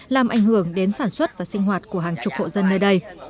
làm ảnh hưởng đến sản xuất và sinh hoạt của hàng chục hộ dân nơi đây